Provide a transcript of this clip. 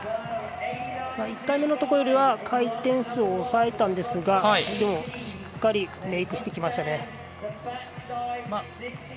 １回目のところよりは回転数を抑えたんですがしっかりメイクしてきました。